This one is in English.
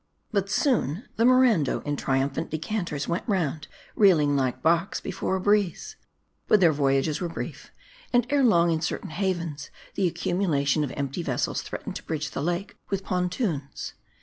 But soon, the Morando, in triumphant decanters^ went round, reeling like barks before a breeze. But their voyages were brief; and ere long, in certain havens, the accumula tion of empty vessels threatened to bridge the lake with pontoons.